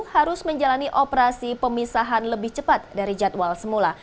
harus menjalani operasi pemisahan lebih cepat dari jadwal semula